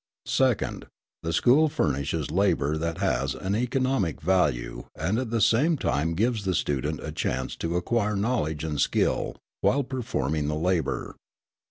Second, the school furnishes labour that has an economic value and at the same time gives the student a chance to acquire knowledge and skill while performing the labour.